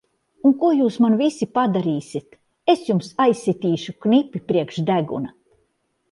Un ko jūs man visi padarīsit! Es jums aizsitīšu knipi priekš deguna!